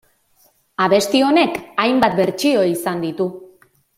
Abesti honek hainbat bertsio izan ditu.